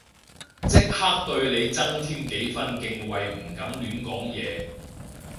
即刻對你增添幾分敬畏唔敢亂講嘢